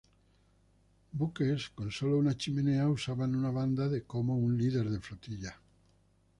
Buques con sólo una chimenea usaban una banda de como un líder de flotilla.